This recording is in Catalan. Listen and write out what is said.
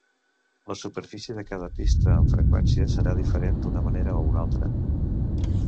La superfície de cada pista amb freqüència serà diferent d'una manera o una altra.